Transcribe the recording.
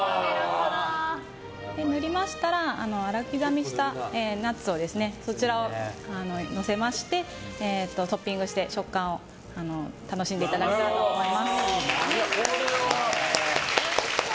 塗りましたら、粗刻みしたナッツをのせましてトッピングして食感を楽しんでいただきたいとおいしそう！